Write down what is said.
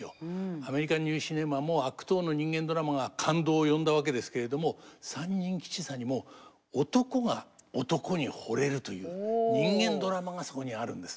アメリカンニューシネマも悪党の人間ドラマが感動を呼んだわけですけれども「三人吉三」にも男が男に惚れるという人間ドラマがそこにあるんですね。